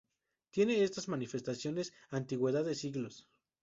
Tienen estas manifestaciones antigüedad de siglos.